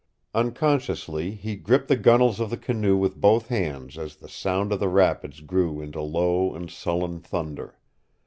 Unconsciously he gripped the gunwales of the canoe with both hands as the sound of the rapids grew into low and sullen thunder.